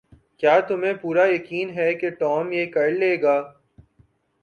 کیا تمہیں پورا یقین ہے کہ ٹام یہ کر لے گا؟